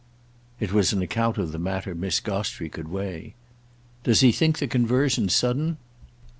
It was an account of the matter Miss Gostrey could weigh. "Does he think the conversion sudden?"